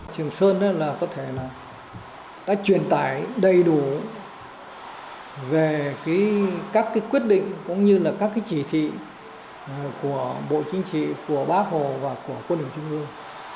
trường sơn là có thể là đã truyền tải đầy đủ về các quyết định cũng như là các cái chỉ thị của bộ chính trị của bác hồ và của quân hình trung ương